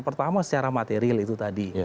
pertama secara material itu tadi